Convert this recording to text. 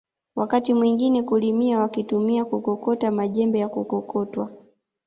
Wakati mwingine kulimia wakitumika kukokota majembe ya kukokotwa